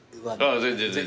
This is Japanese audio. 全然全然。